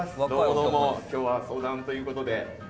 今日は相談ということで。